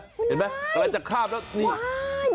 เห็นไหมอะไรจะข้ามแล้วว้าว